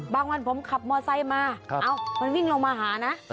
บางวานผมขับมอสไซค์มาเอามันวิ่งลงมาหานะ